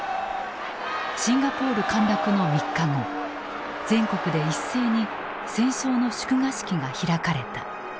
シンガポール陥落の３日後全国で一斉に戦勝の祝賀式が開かれた。